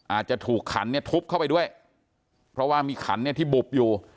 อาจจะถูกขันเนี่ยทุบเข้าไปด้วยเพราะว่ามีขันเนี่ยที่บุบอยู่